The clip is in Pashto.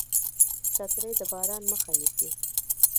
چترۍ د باران مخه نیسي